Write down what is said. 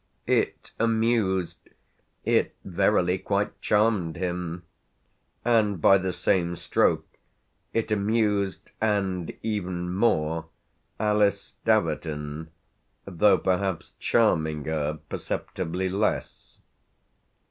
It amused, it verily quite charmed him; and, by the same stroke, it amused, and even more, Alice Staverton, though perhaps charming her perceptibly less.